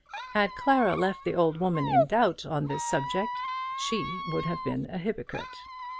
Had Clara left the old woman in doubt on this subject, she would have been a hypocrite.